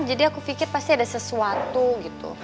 jadi aku pikir pasti ada sesuatu